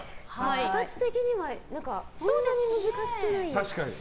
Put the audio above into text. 形的にはそんなに難しくない。